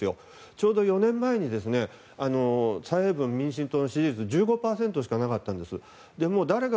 ちょうど４年前に蔡英文、民進党の支持率が１５％しかなかったんですが。